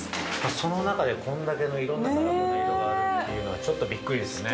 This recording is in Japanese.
◆その中で、こんだけの数の色があるというのはちょっとびっくりですね。